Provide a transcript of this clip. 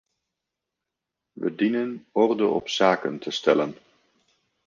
We dienen orde op zaken te stellen.